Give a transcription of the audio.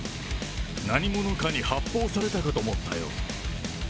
何者かに発砲されたかと思ったよ。